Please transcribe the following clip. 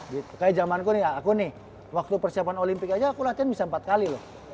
kayak zamanku nih ya aku nih waktu persiapan olimpik aja aku latihan bisa empat kali loh